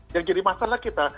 yang jadi masalah kita